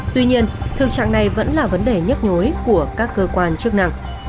tuy nhiên thực trạng này vẫn là vấn đề nhức nhối của các cơ quan chức năng